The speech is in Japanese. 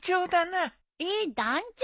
えっ団長？